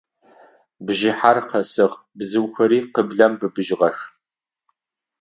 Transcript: Бжыхьэр къэсыгъ, бзыухэри къыблэм быбыжьыгъэх.